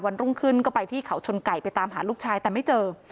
รุ่งขึ้นก็ไปที่เขาชนไก่ไปตามหาลูกชายแต่ไม่เจอ